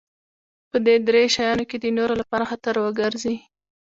په دې درې شيانو کې د نورو لپاره خطر وګرځي.